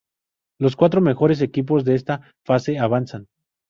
Los cuatro mejores equipos de esta fase avanzan.